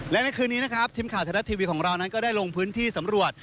และในคืนนี้นะครับทีมข่าวไทยรัฐทีวีของเรานั้นก็ได้ลงพื้นที่สำรวจ